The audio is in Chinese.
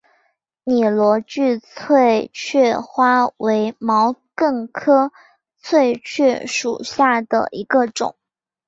拟螺距翠雀花为毛茛科翠雀属下的一个种。